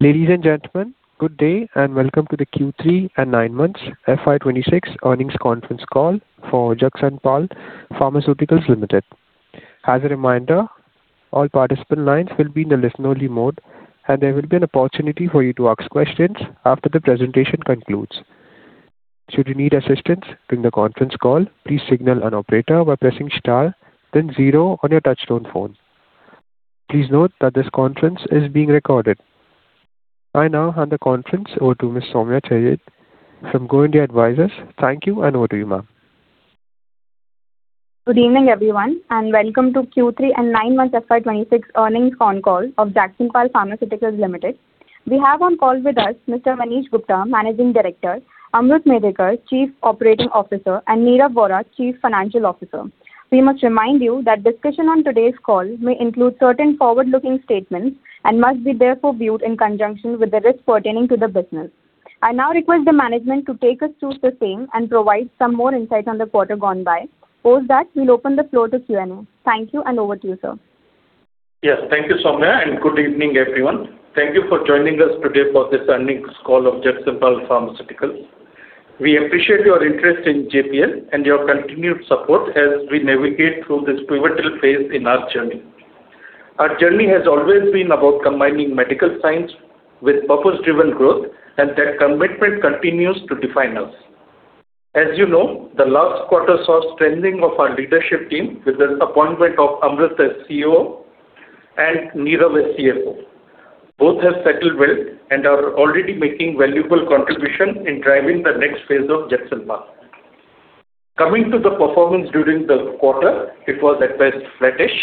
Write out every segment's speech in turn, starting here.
Ladies and gentlemen, good day and welcome to the Q3 and nine months FY26 earnings conference call for Jagsonpal Pharmaceuticals Limited. As a reminder, all participant lines will be in a listen-only mode, and there will be an opportunity for you to ask questions after the presentation concludes. Should you need assistance during the conference call, please signal an operator by pressing star, then zero on your touch-tone phone. Please note that this conference is being recorded. I now hand the conference over to Ms. Soumya Chereddi from Go India Advisors. Thank you, and over to you, ma'am. Good evening, everyone, and welcome to Q3 and 9 months FY26 earnings phone call of Jagsonpal Pharmaceuticals Limited. We have on call with us Mr. Manish Gupta, Managing Director, Amrut Medhekar, Chief Operating Officer, and Nilay Vora, Chief Financial Officer. We must remind you that discussion on today's call may include certain forward-looking statements and must be therefore viewed in conjunction with the risks pertaining to the business. I now request the management to take us through the same and provide some more insight on the quarter gone by. Post that, we'll open the floor to Q&A. Thank you, and over to you, sir. Yes, thank you, Soumya, and good evening, everyone. Thank you for joining us today for this earnings call of Jagsonpal Pharmaceuticals. We appreciate your interest in JPL and your continued support as we navigate through this pivotal phase in our journey. Our journey has always been about combining medical science with purpose-driven growth, and that commitment continues to define us. As you know, the last quarter saw strengthening of our leadership team with the appointment of Amrut as CEO and Nilay Vora as CFO. Both have settled well and are already making valuable contributions in driving the next phase of Jagsonpal. Coming to the performance during the quarter, it was at best flattish.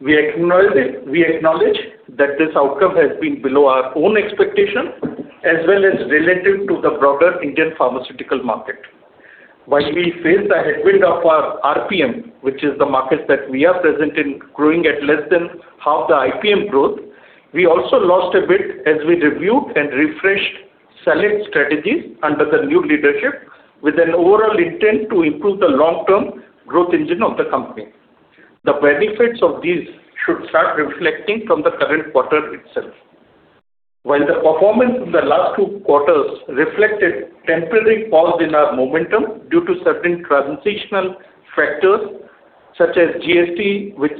We acknowledge that this outcome has been below our own expectations as well as relative to the broader Indian pharmaceutical market. While we faced the headwind of our RPM, which is the market that we are present in, growing at less than half the IPM growth, we also lost a bit as we reviewed and refreshed select strategies under the new leadership with an overall intent to improve the long-term growth engine of the company. The benefits of these should start reflecting from the current quarter itself. While the performance in the last two quarters reflected a temporary pause in our momentum due to certain transitional factors such as GST, which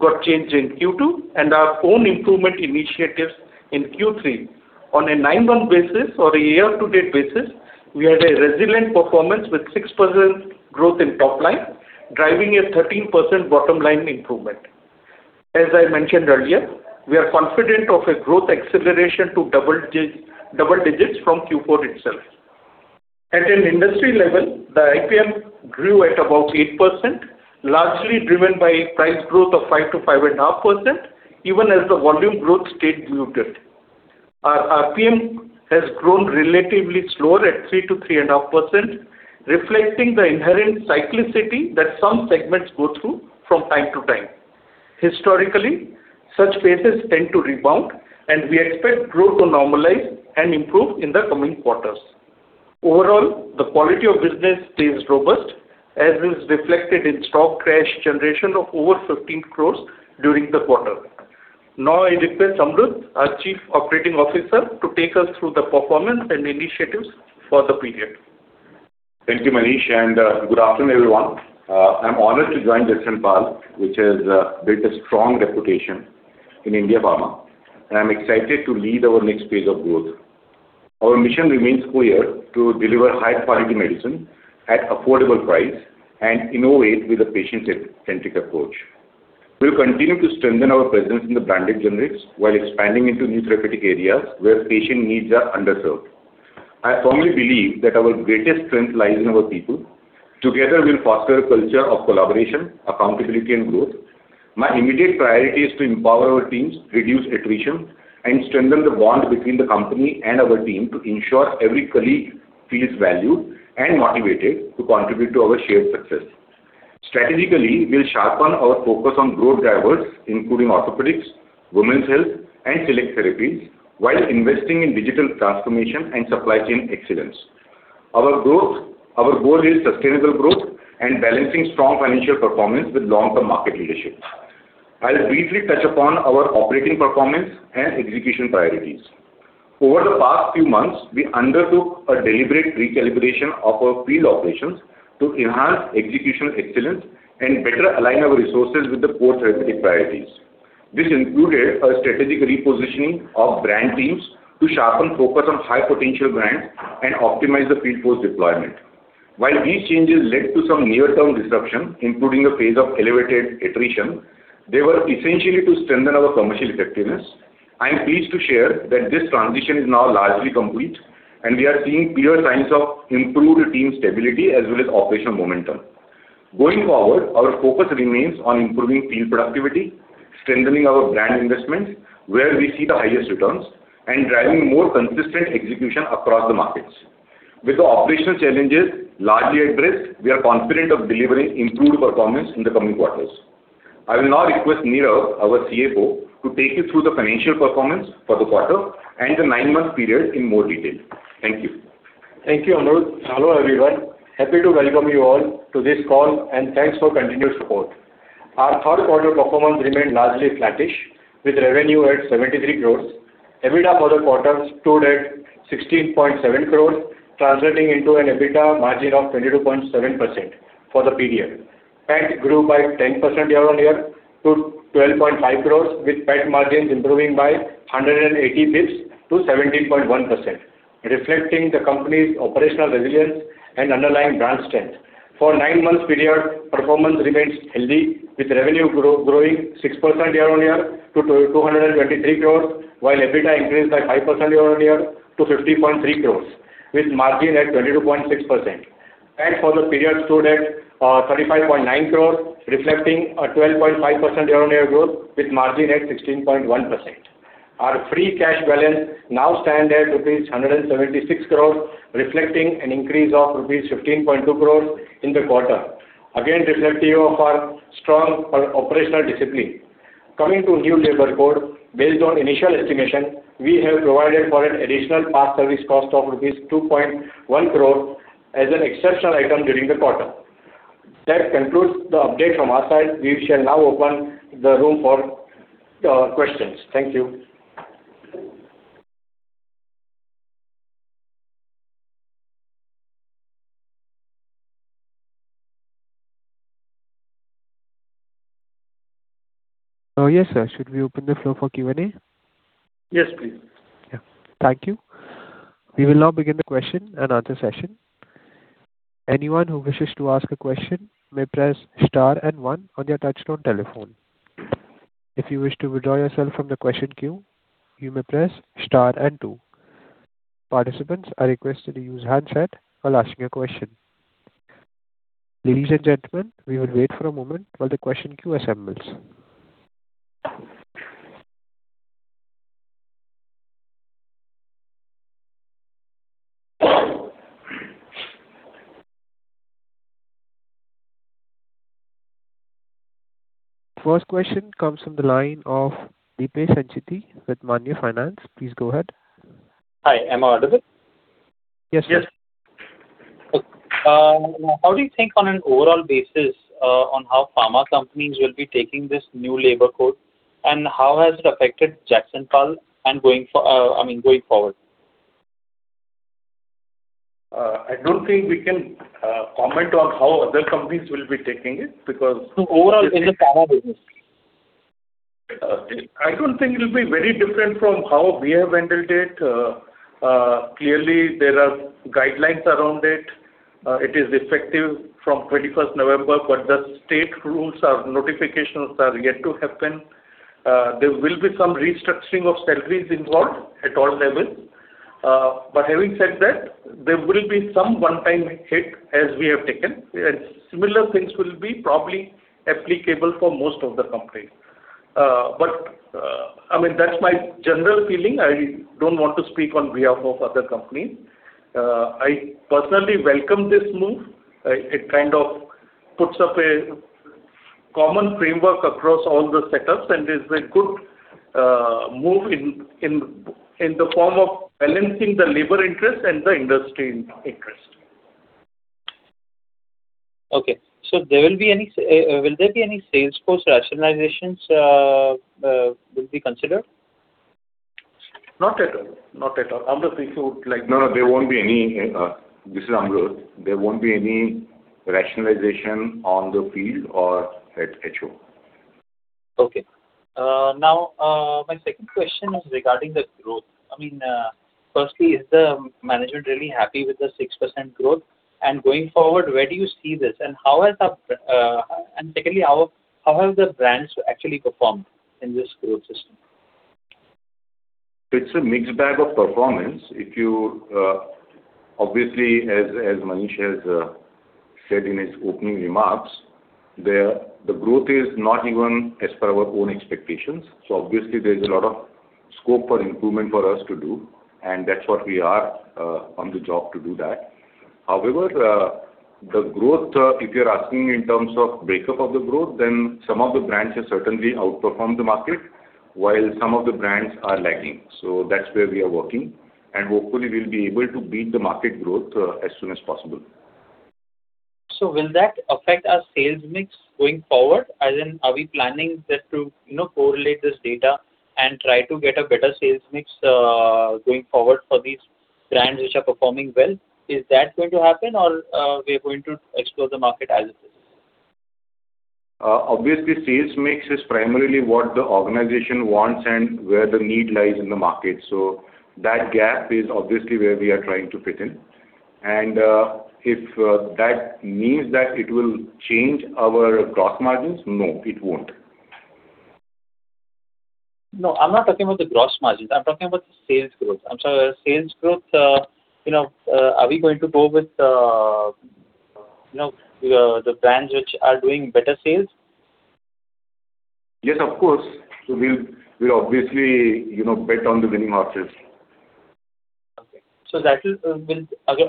got changed in Q2, and our own improvement initiatives in Q3, on a nine-month basis or a year-to-date basis, we had a resilient performance with 6% growth in top line, driving a 13% bottom line improvement. As I mentioned earlier, we are confident of a growth acceleration to double digits from Q4 itself. At an industry level, the IPM grew at about 8%, largely driven by price growth of 5%-5.5%, even as the volume growth stayed muted. Our RPM has grown relatively slower at 3%-3.5%, reflecting the inherent cyclicity that some segments go through from time to time. Historically, such phases tend to rebound, and we expect growth to normalize and improve in the coming quarters. Overall, the quality of business stays robust, as is reflected in strong cash generation of over 15 crores during the quarter. Now, I request Amrut, our Chief Operating Officer, to take us through the performance and initiatives for the period. Thank you, Manish, and good afternoon, everyone. I'm honored to join Jagsonpal, which has built a strong reputation in India Pharma, and I'm excited to lead our next phase of growth. Our mission remains coherent: to deliver high-quality medicine at an affordable price and innovate with a patient-centric approach. We'll continue to strengthen our presence in the branded generics while expanding into new therapeutic areas where patient needs are underserved. I firmly believe that our greatest strength lies in our people. Together, we'll foster a culture of collaboration, accountability, and growth. My immediate priority is to empower our teams, reduce attrition, and strengthen the bond between the company and our team to ensure every colleague feels valued and motivated to contribute to our shared success. Strategically, we'll sharpen our focus on growth drivers, including orthopedics, women's health, and select therapies, while investing in digital transformation and supply chain excellence. Our goal is sustainable growth and balancing strong financial performance with long-term market leadership. I'll briefly touch upon our operating performance and execution priorities. Over the past few months, we undertook a deliberate recalibration of our field operations to enhance execution excellence and better align our resources with the core therapeutic priorities. This included a strategic repositioning of brand teams to sharpen focus on high-potential brands and optimize the field force deployment. While these changes led to some near-term disruption, including a phase of elevated attrition, they were essential to strengthen our commercial effectiveness. I'm pleased to share that this transition is now largely complete, and we are seeing clear signs of improved team stability as well as operational momentum. Going forward, our focus remains on improving field productivity, strengthening our brand investments where we see the highest returns, and driving more consistent execution across the markets. With the operational challenges largely addressed, we are confident of delivering improved performance in the coming quarters. I will now request Nilay Vora, our CFO, to take you through the financial performance for the quarter and the nine-month period in more detail. Thank you. Thank you, Amrut. Hello, everyone. Happy to welcome you all to this call, and thanks for continued support. Our third quarter performance remained largely flattish, with revenue at 73 crores. EBITDA for the quarter stood at 16.7 crores, translating into an EBITDA margin of 22.7% for the period. PAT grew by 10% year-on-year to 12.5 crores, with PAT margins improving by 180 basis points to 17.1%, reflecting the company's operational resilience and underlying brand strength. For the nine-month period, performance remained healthy, with revenue growing 6% year-on-year to 223 crores, while EBITDA increased by 5% year-on-year to 50.3 crores, with margin at 22.6%. PAT for the period stood at 35.9 crores, reflecting a 12.5% year-on-year growth, with margin at 16.1%. Our free cash balance now stands at rupees 176 crores, reflecting an increase of rupees 15.2 crores in the quarter, again reflective of our strong operational discipline. Coming to New Labour Code, based on initial estimation, we have provided for an additional past service cost of 2.1 crore as an exceptional item during the quarter. That concludes the update from our side. We shall now open the room for questions. Thank you. Yes, sir. Should we open the floor for Q&A? Yes, please. Yeah. Thank you. We will now begin the question and answer session. Anyone who wishes to ask a question may press star and one on their touch-tone telephone. If you wish to withdraw yourself from the question queue, you may press star and two. Participants are requested to use handset while asking a question. Ladies and gentlemen, we will wait for a moment while the question queue assembles. First question comes from the line of Deepesh Sancheti with Maanya Finance. Please go ahead. Hi, am I audible? Yes, sir. Yes. How do you think on an overall basis on how pharma companies will be taking this New Labour Code, and how has it affected Jagsonpal going forward? I don't think we can comment on how other companies will be taking it because. Overall, in the pharma business? I don't think it will be very different from how we have handled it. Clearly, there are guidelines around it. It is effective from 21st November, but the state rules and notifications are yet to happen. There will be some restructuring of salaries involved at all levels. But having said that, there will be some one-time hit as we have taken, and similar things will be probably applicable for most of the companies. But I mean, that's my general feeling. I don't want to speak on behalf of other companies. I personally welcome this move. It kind of puts up a common framework across all the setups, and it's a good move in the form of balancing the labor interest and the industry interest. Okay. So will there be any sales force rationalizations considered? Not at all. Not at all. Amrut, if you would like. No, no. There won't be any. This is Amrut. There won't be any rationalization on the field or at HO. Okay. Now, my second question is regarding the growth. I mean, firstly, is the management really happy with the 6% growth? And going forward, where do you see this? And secondly, how have the brands actually performed in this growth system? It's a mixed bag of performance. Obviously, as Manish has said in his opening remarks, the growth is not even as per our own expectations. So obviously, there's a lot of scope for improvement for us to do, and that's what we are on the job to do that. However, the growth, if you're asking in terms of breakup of the growth, then some of the brands have certainly outperformed the market, while some of the brands are lagging. So that's where we are working. And hopefully, we'll be able to beat the market growth as soon as possible. So will that affect our sales mix going forward? As in, are we planning to correlate this data and try to get a better sales mix going forward for these brands which are performing well? Is that going to happen, or we are going to explore the market as it is? Obviously, sales mix is primarily what the organization wants and where the need lies in the market. So that gap is obviously where we are trying to fit in. And if that means that it will change our gross margins, no, it won't. No, I'm not talking about the gross margins. I'm talking about the sales growth. I'm sorry, sales growth, are we going to go with the brands which are doing better sales? Yes, of course. So we'll obviously bet on the winning horses. Okay. So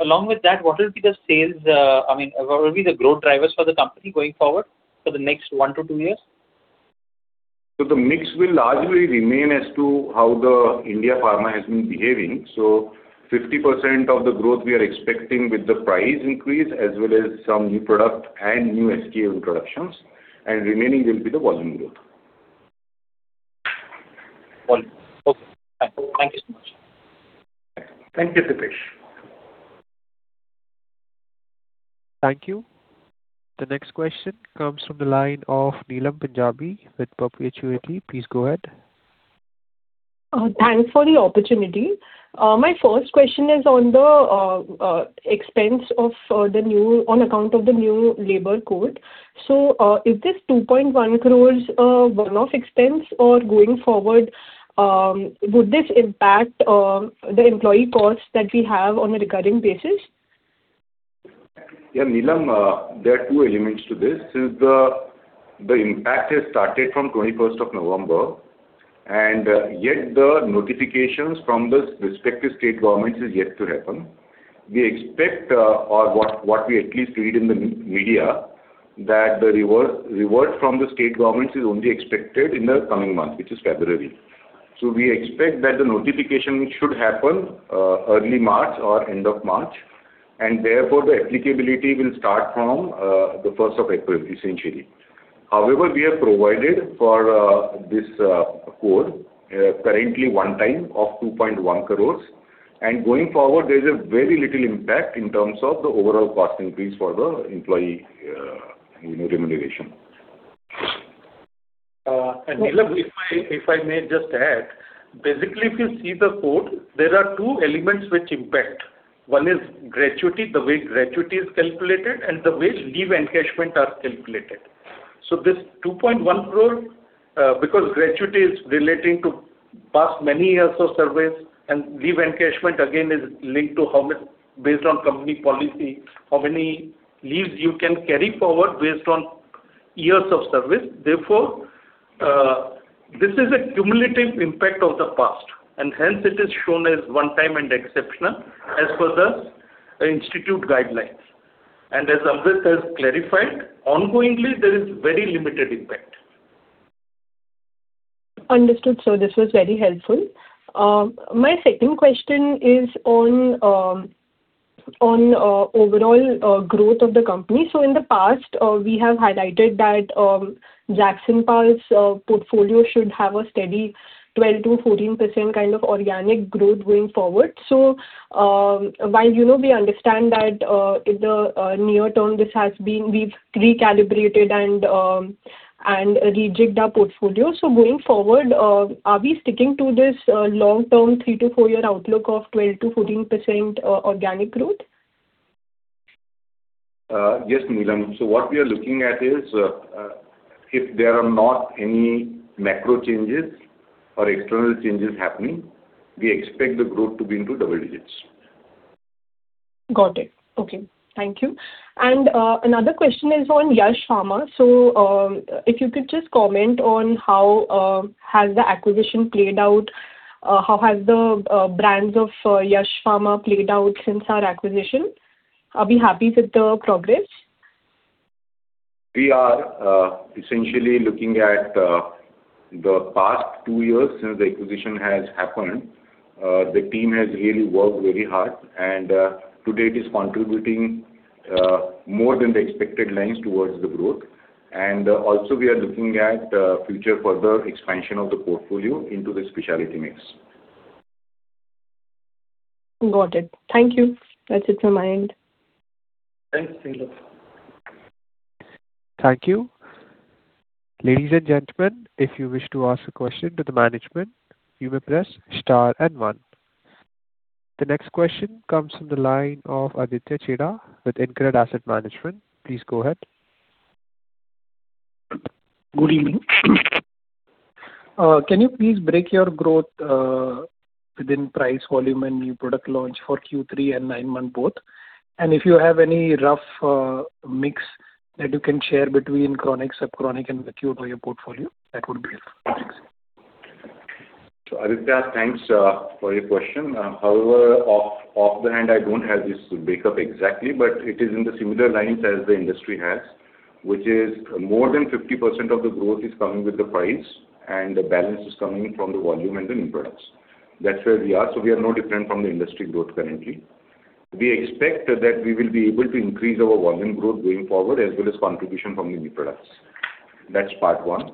along with that, what will be the sales? I mean, what will be the growth drivers for the company going forward for the next one to two years? So the mix will largely remain as to how the India Pharma has been behaving. So 50% of the growth we are expecting with the price increase as well as some new product and new SKU introductions. And remaining will be the volume growth. Volume. Okay. Thank you so much. Thank you, Deepesh. Thank you. The next question comes from the line of Neelam Punjabi with Perpetuity. Please go ahead. Thanks for the opportunity. My first question is on the expense on account of the New Labour Code. So is this 2.1 crores one-off expense, or going forward, would this impact the employee costs that we have on a recurring basis? Yeah, Neelam, there are two elements to this. Since the impact has started from 21st of November, and yet the notifications from the respective state governments is yet to happen. We expect, or what we at least read in the media, that the reward from the state governments is only expected in the coming month, which is February. So we expect that the notification should happen early March or end of March. And therefore, the applicability will start from the 1st of April, essentially. However, we have provided for this code currently one time of 2.1 crores. And going forward, there's a very little impact in terms of the overall cost increase for the employee remuneration. Neelam, if I may just add, basically, if you see the code, there are two elements which impact. One is gratuity, the way gratuity is calculated, and the way leave encashment are calculated. So this 2.1 crore, because gratuity is relating to past many years of service, and leave encashment again is linked to based on company policy, how many leaves you can carry forward based on years of service. Therefore, this is a cumulative impact of the past. And hence, it is shown as one-time and exceptional as per the institute guidelines. And as Amrut has clarified, ongoingly, there is very limited impact. Understood. So this was very helpful. My second question is on overall growth of the company. So in the past, we have highlighted that Jagsonpal's portfolio should have a steady 12%-14% kind of organic growth going forward. So while we understand that in the near term, we've recalibrated and rejigged our portfolio. So going forward, are we sticking to this long-term three- to four-year outlook of 12%-14% organic growth? Yes, Neelam. So what we are looking at is if there are not any macro changes or external changes happening, we expect the growth to be into double digits. Got it. Okay. Thank you. And another question is on Yash Pharma. So if you could just comment on how has the acquisition played out, how have the brands of Yash Pharma played out since our acquisition? Are we happy with the progress? We are essentially looking at the past two years since the acquisition has happened. The team has really worked very hard, and today it is contributing more than the expected lines towards the growth, and also, we are looking at future further expansion of the portfolio into the specialty mix. Got it. Thank you. That's it from my end. Thanks, Neelam. Thank you. Ladies and gentlemen, if you wish to ask a question to the management, you may press star and one. The next question comes from the line of Aditya Chheda with InCred Asset Management. Please go ahead. Good evening. Can you please break your growth within price, volume, and new product launch for Q3 and nine-month growth? And if you have any rough mix that you can share between chronic, sub-chronic, and acute of your portfolio, that would be helpful. So Aditya, thanks for your question. However, offhand, I don't have this makeup exactly, but it is in the similar lines as the industry has, which is more than 50% of the growth is coming with the price, and the balance is coming from the volume and the new products. That's where we are. So we are no different from the industry growth currently. We expect that we will be able to increase our volume growth going forward as well as contribution from the new products. That's part one.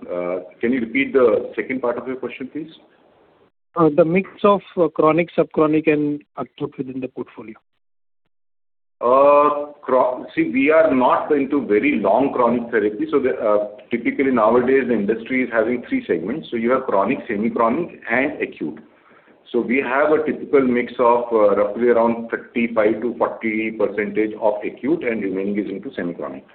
Can you repeat the second part of your question, please? The mix of chronic, sub-chronic, and acute within the portfolio. See, we are not into very long chronic therapy. So typically, nowadays, the industry is having three segments. So you have chronic, semi-chronic, and acute. So we have a typical mix of roughly around 35%-40% of acute, and remaining is into semi-chronic.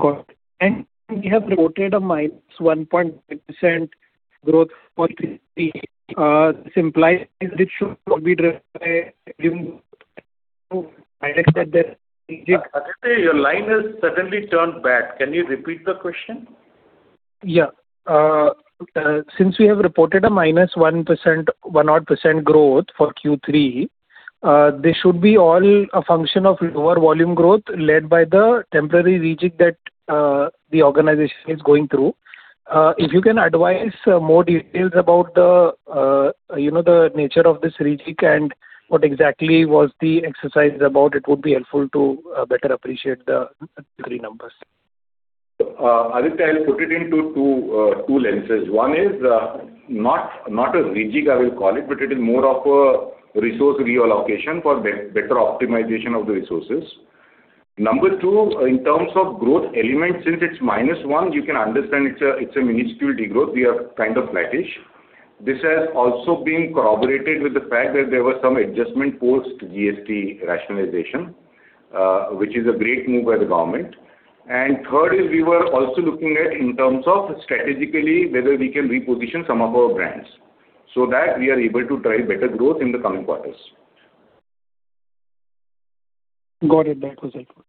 Got it. And we have reported a minus 1.5% growth for this IPM. It should be driven by the rejig. Aditya, your line has suddenly turned bad. Can you repeat the question? Yeah. Since we have reported a minus 1% growth for Q3, this should be all a function of lower volume growth led by the temporary rejig that the organization is going through. If you can advise more details about the nature of this rejig and what exactly was the exercise about, it would be helpful to better appreciate the three numbers. Aditya, I'll put it into two lenses. One is not a rejig, I will call it, but it is more of a resource reallocation for better optimization of the resources. Number two, in terms of growth element, since it's minus one, you can understand it's a minuscule degrowth. We are kind of flattish. This has also been corroborated with the fact that there were some adjustment post-GST rationalization, which is a great move by the government. And third is we were also looking at in terms of strategically whether we can reposition some of our brands so that we are able to drive better growth in the coming quarters. Got it. That was helpful.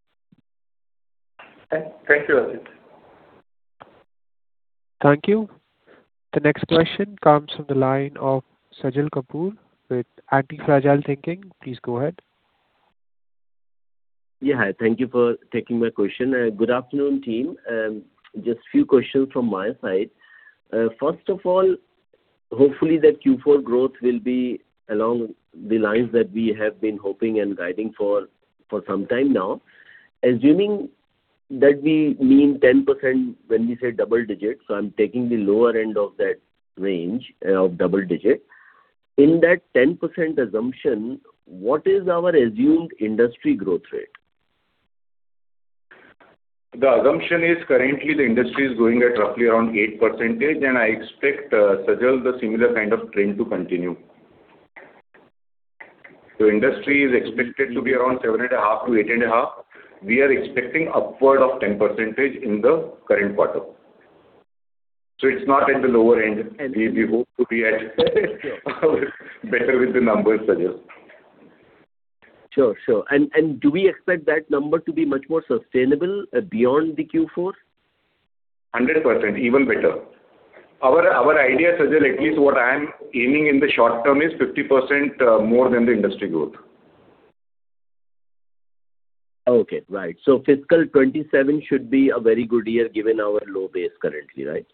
Thank you, Aditya. Thank you. The next question comes from the line of Sajal Kapoor with Anti-Fragile Thinking. Please go ahead. Yeah, thank you for taking my question. Good afternoon, team. Just a few questions from my side. First of all, hopefully that Q4 growth will be along the lines that we have been hoping and guiding for some time now. Assuming that we mean 10% when we say double digit, so I'm taking the lower end of that range of double digit. In that 10% assumption, what is our assumed industry growth rate? The assumption is currently the industry is going at roughly around 8%, and I expect Sajal the similar kind of trend to continue, so industry is expected to be around 7.5%-8.5%. We are expecting upward of 10% in the current quarter, so it's not at the lower end. We hope to be better with the numbers, Sajal. Sure, sure. And do we expect that number to be much more sustainable beyond the Q4? 100%, even better. Our idea, Sajal, at least what I'm aiming in the short term is 50% more than the industry growth. Okay, right, so fiscal 2027 should be a very good year given our low base currently, right?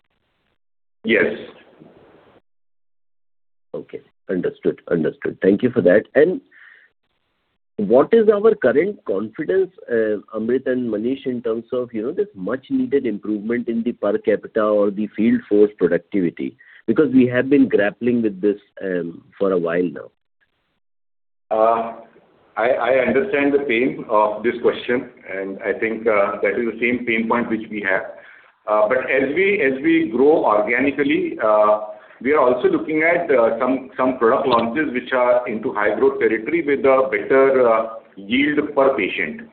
Yes. Okay. Understood, understood. Thank you for that. And what is our current confidence, Amrut and Manish, in terms of this much-needed improvement in the per capita or the field force productivity? Because we have been grappling with this for a while now. I understand the pain of this question, and I think that is the same pain point which we have. But as we grow organically, we are also looking at some product launches which are into high-growth territory with a better yield per patient.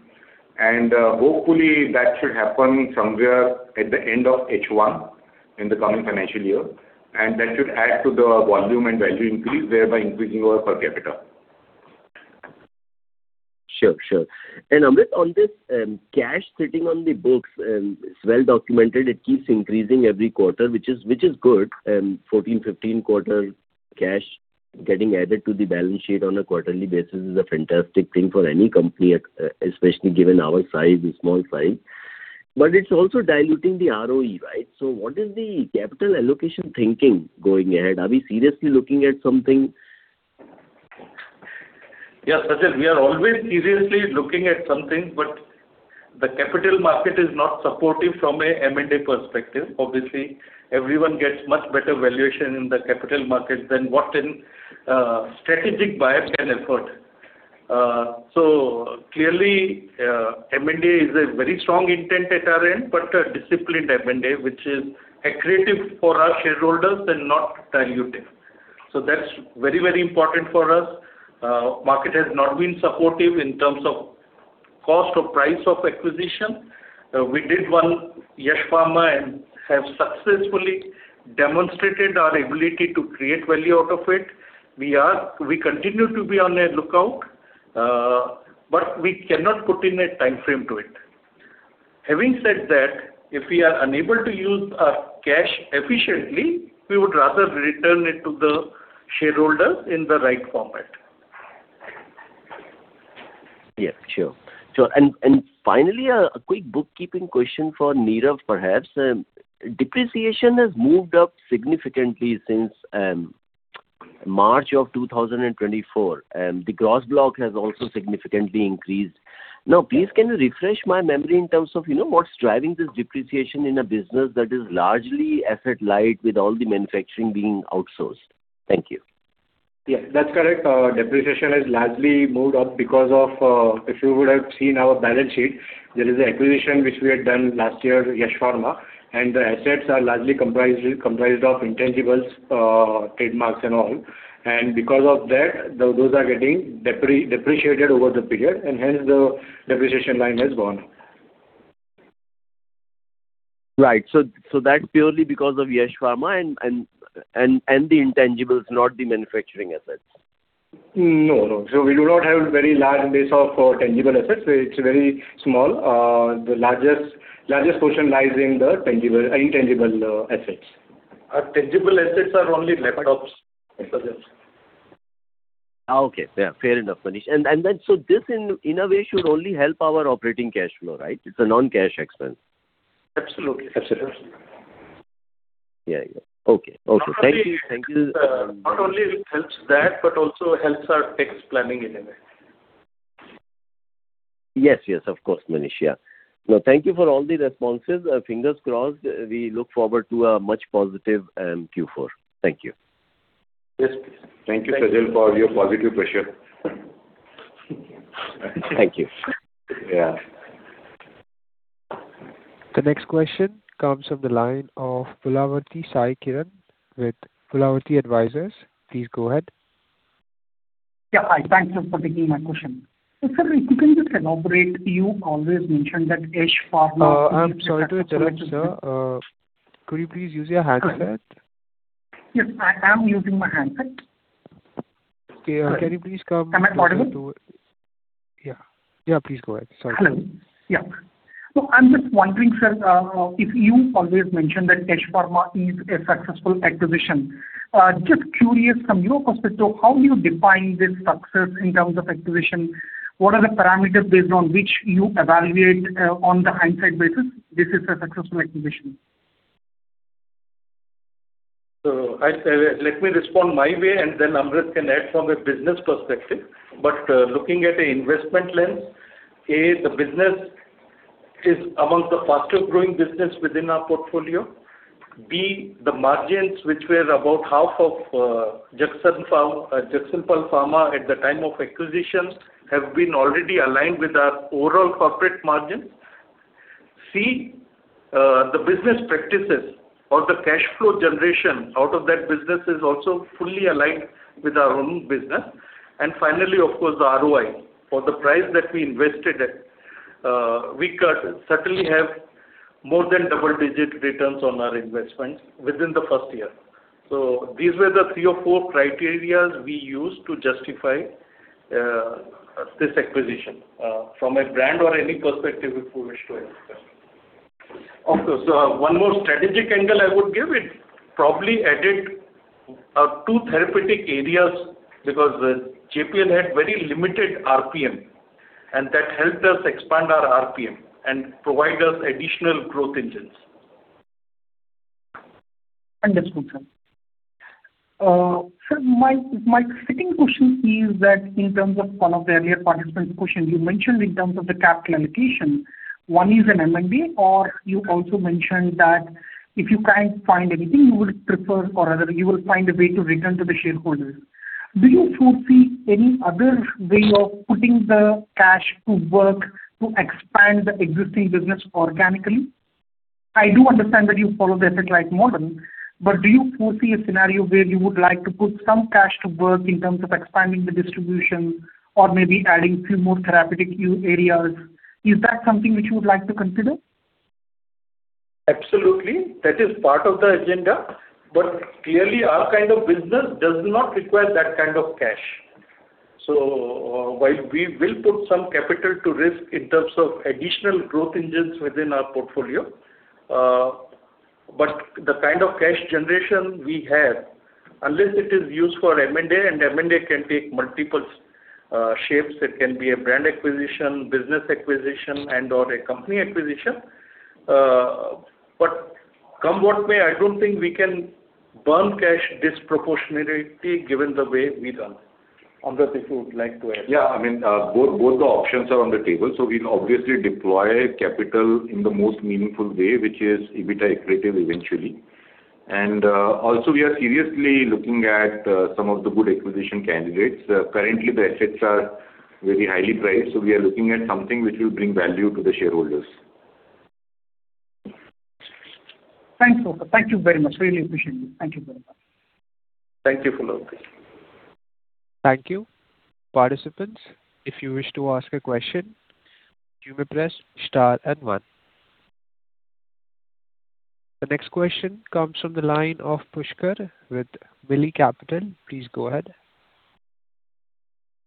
And hopefully, that should happen somewhere at the end of H1 in the coming financial year. And that should add to the volume and value increase, thereby increasing our per capita. Sure, sure. And Amrut, on this cash sitting on the books, it's well documented. It keeps increasing every quarter, which is good. 14-15 quarter cash getting added to the balance sheet on a quarterly basis is a fantastic thing for any company, especially given our size, the small size. But it's also diluting the ROE, right? So what is the capital allocation thinking going ahead? Are we seriously looking at something? Yeah, Sajal, we are always seriously looking at something, but the capital market is not supportive from an M&A perspective. Obviously, everyone gets much better valuation in the capital market than what in strategic buyout effort. So clearly, M&A is a very strong intent at our end, but a disciplined M&A, which is accretive for our shareholders and not dilutive. So that's very, very important for us. The market has not been supportive in terms of cost or price of acquisition. We did one Yash Pharma and have successfully demonstrated our ability to create value out of it. We continue to be on the lookout, but we cannot put in a timeframe to it. Having said that, if we are unable to use our cash efficiently, we would rather return it to the shareholders in the right format. Yeah, sure. Sure. And finally, a quick bookkeeping question for Neelam, perhaps. Depreciation has moved up significantly since March of 2024. The gross block has also significantly increased. Now, please can you refresh my memory in terms of what's driving this depreciation in a business that is largely asset-light with all the manufacturing being outsourced? Thank you. Yeah, that's correct. Depreciation has largely moved up because of, if you would have seen our balance sheet, there is an acquisition which we had done last year, Yash Pharma. And the assets are largely comprised of intangibles, trademarks, and all. And because of that, those are getting depreciated over the period, and hence the depreciation line has gone up. Right. So that's purely because of Yash Pharma and the intangibles, not the manufacturing assets? No, no. So we do not have a very large base of tangible assets. It's very small. The largest portion lies in the intangible assets. Tangible assets are only laptops, Sajal. Okay. Yeah, fair enough, Manish. And then so this in a way should only help our operating cash flow, right? It's a non-cash expense. Absolutely. Absolutely. Yeah, yeah. Okay, okay. Thank you. Thank you. Not only helps that, but also helps our tax planning in a way. Yes, yes, of course, Manish. Yeah. No, thank you for all the responses. Fingers crossed. We look forward to a much positive Q4. Thank you. Yes, please. Thank you, Sajal, for your positive pressure. Thank you. Yeah. The next question comes from the line of Pulavarthi Sai Kiran with Pulavarthi Advisors. Please go ahead. Yeah, hi. Thanks for taking my question. Sir, if we can just elaborate, you always mentioned that Yash Pharma is a... I'm sorry to interrupt, sir. Could you please use your handset? Yes, I am using my handset. Can you please come? Am I audible? Yeah. Yeah, please go ahead. Sorry. Hello. Yeah. So I'm just wondering, sir, if you always mentioned that Yash Pharma is a successful acquisition. Just curious, from your perspective, how do you define this success in terms of acquisition? What are the parameters based on which you evaluate on the hindsight basis this is a successful acquisition? So let me respond my way, and then Amrut can add from a business perspective. But looking at an investment lens, A, the business is among the fastest-growing businesses within our portfolio. B, the margins, which were about half of Jagsonpal Pharma at the time of acquisition, have been already aligned with our overall corporate margins. C, the business practices or the cash flow generation out of that business is also fully aligned with our own business. And finally, of course, the ROI. For the price that we invested at, we certainly have more than double-digit returns on our investments within the first year. So these were the three or four criteria we used to justify this acquisition. From a brand or any perspective, if we wish to ask a question. Of course. One more strategic angle I would give it. Probably added two therapeutic areas because JPL had very limited RPM, and that helped us expand our RPM and provide us additional growth engines. Understood, sir. Sir, my second question is that in terms of one of the earlier participants' question, you mentioned in terms of the capital allocation, one is an M&A, or you also mentioned that if you can't find anything, you will prefer or rather you will find a way to return to the shareholders. Do you foresee any other way of putting the cash to work to expand the existing business organically? I do understand that you follow the asset-light model, but do you foresee a scenario where you would like to put some cash to work in terms of expanding the distribution or maybe adding a few more therapeutic areas? Is that something which you would like to consider? Absolutely. That is part of the agenda. But clearly, our kind of business does not require that kind of cash. So while we will put some capital to risk in terms of additional growth engines within our portfolio, but the kind of cash generation we have, unless it is used for M&A, and M&A can take multiple shapes. It can be a brand acquisition, business acquisition, and/or a company acquisition. But come what may, I don't think we can burn cash disproportionately given the way we run. Amrut, if you would like to add something. Yeah, I mean, both the options are on the table. So we'll obviously deploy capital in the most meaningful way, which is EBITDA-accretive eventually. And also, we are seriously looking at some of the good acquisition candidates. Currently, the assets are very highly priced, so we are looking at something which will bring value to the shareholders. Thanks, sir. Thank you very much. Really appreciate it. Thank you very much. Thank you, Pulavarthi. Thank you. Participants, if you wish to ask a question, you may press star and one. The next question comes from the line of Pushkar with Milli Capital. Please go ahead.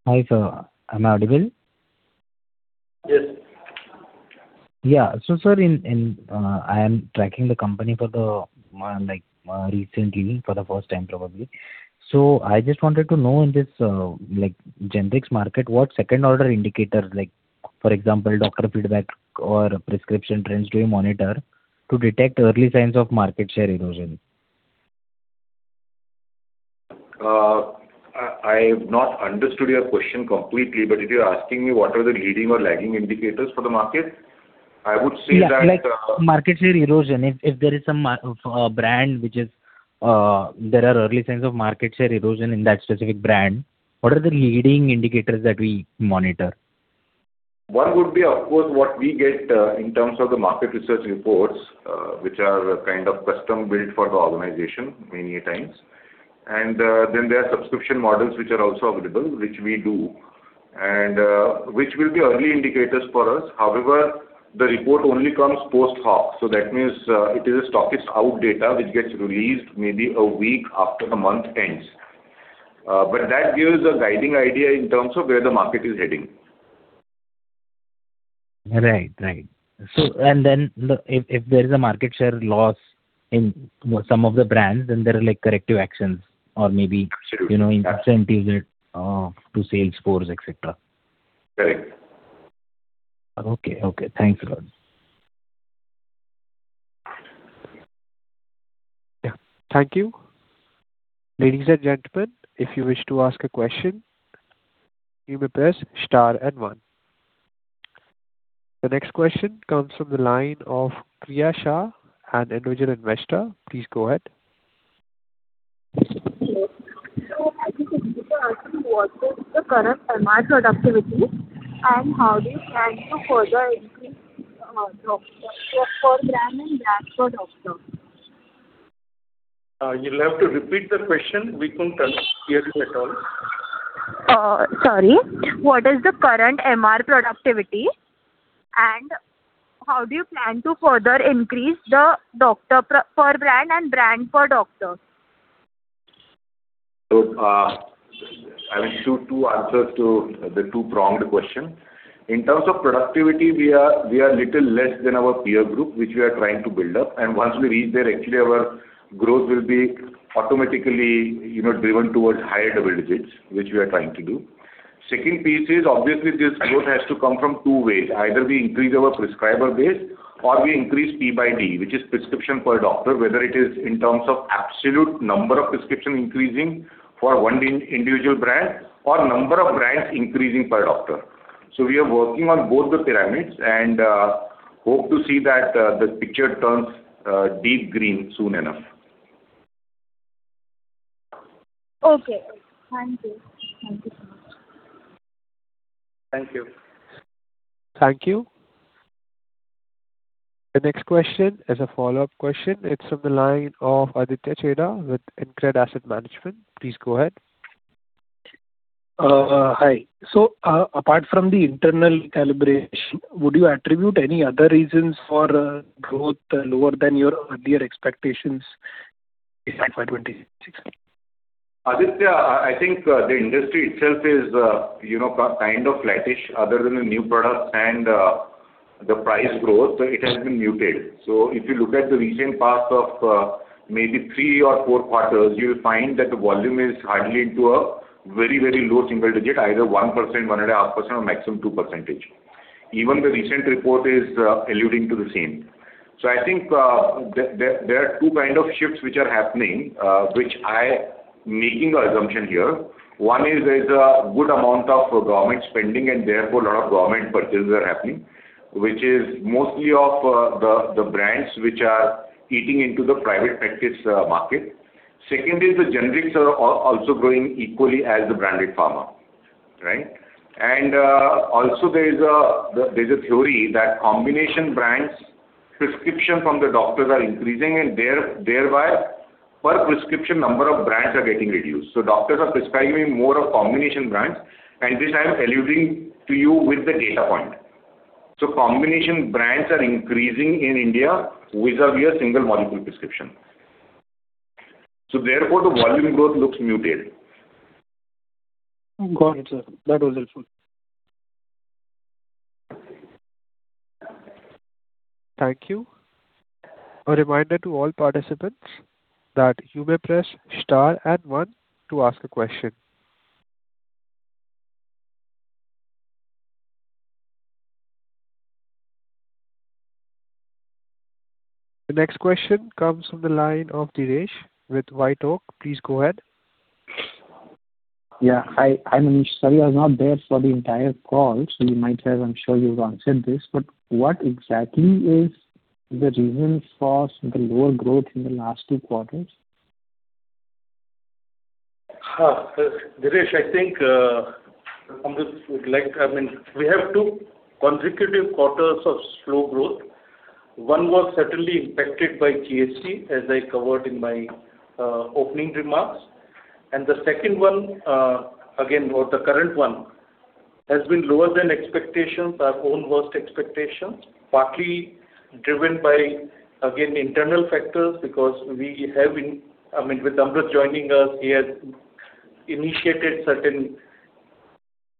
Hi, sir. Am I audible? Yes. Yeah. So, sir, I am tracking the company for the first time, probably. So I just wanted to know in this generic market, what second-order indicators, for example, doctor feedback or prescription trends, do you monitor to detect early signs of market share erosion? I have not understood your question completely, but if you're asking me what are the leading or lagging indicators for the market, I would say that... Yeah, like market share erosion. If there is some brand which there are early signs of market share erosion in that specific brand, what are the leading indicators that we monitor? One would be, of course, what we get in terms of the market research reports, which are kind of custom-built for the organization many times. And then there are subscription models which are also available, which we do, and which will be early indicators for us. However, the report only comes post hoc. So that means it is a stockist-out data which gets released maybe a week after the month ends. But that gives a guiding idea in terms of where the market is heading. Right, right. And then if there is a market share loss in some of the brands, then there are corrective actions or maybe instant usage to sales force, etc. Correct. Okay, okay. Thanks, sir. Yeah. Thank you. Ladies and gentlemen, if you wish to ask a question, you may press star and one. The next question comes from the line of Priyasha, an individual investor. Please go ahead. Hello. I think the big question was, what is the current MR productivity and how do you plan to further increase the stockist support brand per doctor? You'll have to repeat the question. We couldn't hear you at all. Sorry. What is the current MR productivity and how do you plan to further increase the doctor support brands per doctor? So I will shoot two answers to the two pronged questions. In terms of productivity, we are a little less than our peer group, which we are trying to build up. And once we reach there, actually, our growth will be automatically driven towards higher double digits, which we are trying to do. Second piece is, obviously, this growth has to come from two ways. Either we increase our prescriber base or we increase P/D, which is prescription per doctor, whether it is in terms of absolute number of prescriptions increasing for one individual brand or number of brands increasing per doctor. So we are working on both the pyramids and hope to see that the picture turns deep green soon enough. Okay. Thank you. Thank you so much. Thank you. Thank you. The next question is a follow-up question. It's from the line of Aditya Chheda with InCred Asset Management. Please go ahead. Hi. So apart from the internal calibration, would you attribute any other reasons for growth lower than your earlier expectations in 2026? Aditya, I think the industry itself is kind of flattish. Other than the new products and the price growth, it has been muted. So if you look at the recent past of maybe three or four quarters, you will find that the volume is hardly into a very, very low single digit, either 1%, 1.5%, or maximum 2%. Even the recent report is alluding to the same. I think there are two kinds of shifts which are happening, which I am making an assumption here. One is there is a good amount of government spending and therefore a lot of government purchases are happening, which is mostly of the brands which are eating into the private practice market. Second is the generics are also growing equally as the branded pharma, right? And also there is a theory that combination brands prescriptions from the doctors are increasing, and thereby per prescription number of brands are getting reduced. So doctors are prescribing more of combination brands, and this I am alluding to you with the data point. So combination brands are increasing in India vis-à-vis a single molecule prescription. So therefore the volume growth looks muted. Thank you, sir. That was helpful. Thank you. A reminder to all participants that you may press star and one to ask a question. The next question comes from the line of Dinesh with White Oak. Please go ahead. Yeah. Hi, Manish. Sorry, I was not there for the entire call, so you might have, I'm sure, you've answered this, but what exactly is the reason for the lower growth in the last two quarters? Dinesh, I think I would like to. I mean, we have two consecutive quarters of slow growth. One was certainly impacted by GST, as I covered in my opening remarks, and the second one, again, or the current one, has been lower than expectations, our own worst expectations, partly driven by, again, internal factors because we have, I mean, with Amrut joining us, he has initiated certain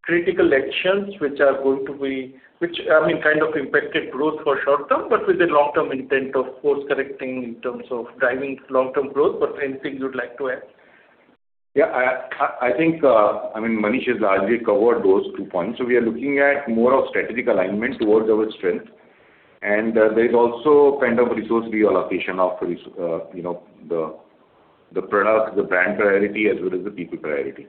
critical actions which are going to be, I mean, kind of impacted growth for short-term, but with a long-term intent of course correcting in terms of driving long-term growth. But anything you'd like to add? Yeah. I think, I mean, Manish has largely covered those two points, so we are looking at more of strategic alignment towards our strength, and there is also kind of resource reallocation of the product, the brand priority, as well as the people priority.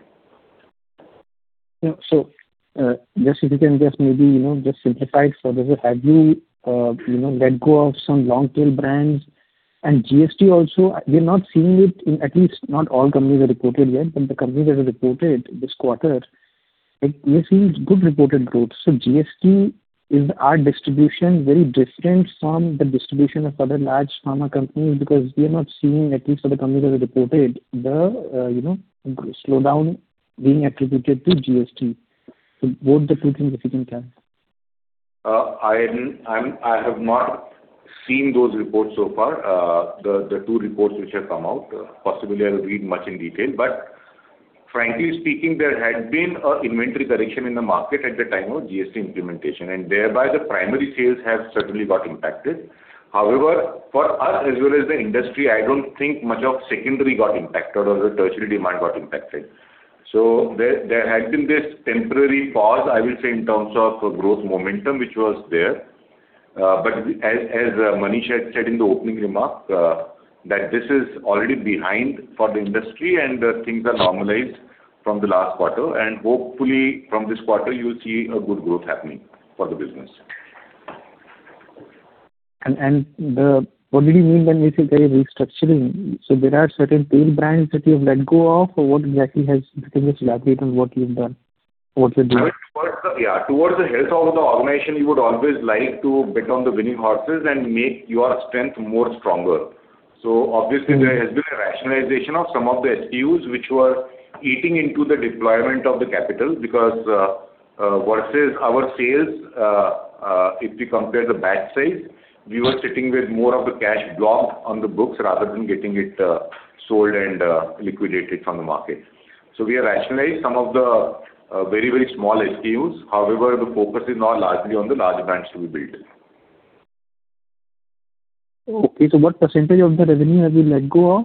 Yeah. So if you can maybe simplify it further, have you let go of some long-tail brands? And GST also, we're not seeing it, at least not all companies are reported yet, but the companies that are reported this quarter, they're seeing good reported growth. So, is our GST distribution very different from the distribution of other large pharma companies because we are not seeing, at least for the companies that are reported, the slowdown being attributed to GST? So both the two things, if you can tell. I have not seen those reports so far, the two reports which have come out. Possibly, I will read much in detail. But frankly speaking, there had been an inventory correction in the market at the time of GST implementation, and thereby the primary sales have certainly got impacted. However, for us as well as the industry, I don't think much of secondary got impacted or the tertiary demand got impacted. So there had been this temporary pause, I will say, in terms of growth momentum which was there. But as Manish had said in the opening remark, that this is already behind for the industry and things are normalized from the last quarter. And hopefully, from this quarter, you will see a good growth happening for the business. What did you mean when you said there is restructuring? So there are certain tail brands that you have let go of, or what exactly has you think? Just elaborate on what you've done, what you're doing? Yeah. Towards the health of the organization, you would always like to bet on the winning horses and make your strength more stronger. So obviously, there has been a rationalization of some of the SKUs which were eating into the deployment of the capital because versus our sales, if you compare the batch size, we were sitting with more of the cash blocked on the books rather than getting it sold and liquidated from the market. So we have rationalized some of the very, very small SKUs. However, the focus is now largely on the large brands to be built. Okay. So what percentage of the revenue have you let go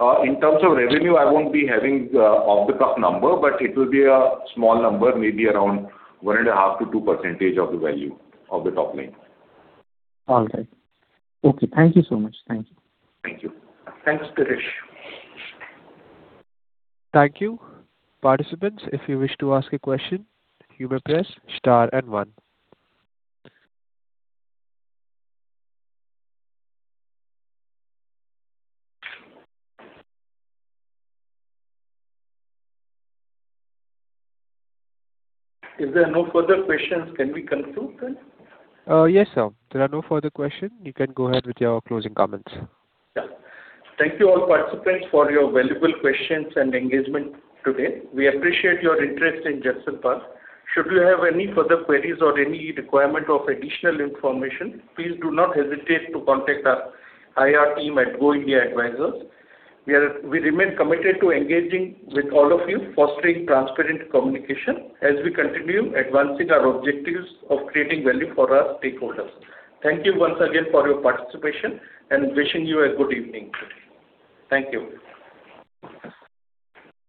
of? In terms of revenue, I won't be having off-the-cuff number, but it will be a small number, maybe around 1.5%-2% of the value of the top line. All right. Okay. Thank you so much. Thank you. Thank you. Thanks, Dinesh. Thank you. Participants, if you wish to ask a question, you may press star and one. If there are no further questions, can we come to then? Yes, sir. There are no further questions. You can go ahead with your closing comments. Thank you all participants for your valuable questions and engagement today. We appreciate your interest in Jagsonpal Pharmaceuticals. Should you have any further queries or any requirement of additional information, please do not hesitate to contact our IR team at Go India Advisors. We remain committed to engaging with all of you, fostering transparent communication as we continue advancing our objectives of creating value for our stakeholders. Thank you once again for your participation and wishing you a good evening today. Thank you.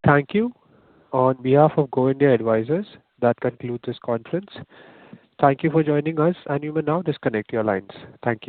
Thank you. On behalf of Go India Advisors, that concludes this conference. Thank you for joining us, and you may now disconnect your lines. Thank you.